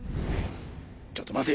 ちょっと待て！